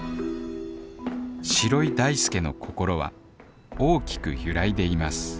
城井大介の心は大きく揺らいでいます